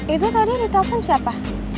itu tadi di telepon siapa